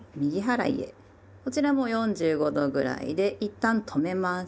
こちらも４５度ぐらいでいったん止めます。